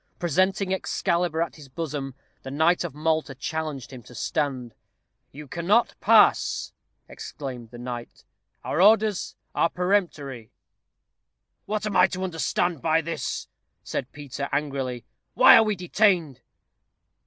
Presenting Excalibur at his bosom, the knight of Malta challenged him to stand. "You cannot pass," exclaimed the knight; "our orders are peremptory." "What am I to understand by this?" said Peter, angrily. "Why are we detained?"